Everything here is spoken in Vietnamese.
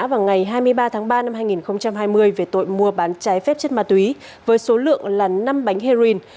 vào ngày hai mươi ba tháng ba năm hai nghìn hai mươi về tội mua bán trái phép chất ma túy với số lượng là năm bánh heroin